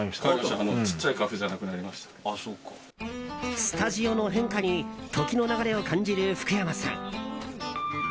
スタジオの変化に時の流れを感じる福山さん。